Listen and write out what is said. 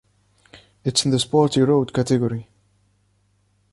It's in the sporty road category.